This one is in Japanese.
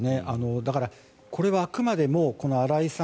だから、これはあくまでも荒井さん